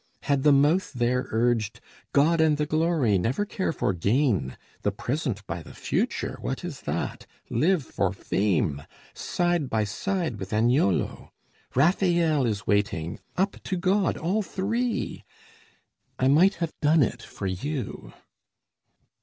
Had the mouth there urged "God and the glory! never care for gain. The present by the future, what is that? Live for fame, side by side with Agnolo! Rafael is waiting: up to God, all three!" I might have done it for you.